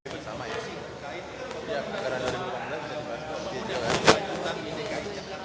terima kasih ya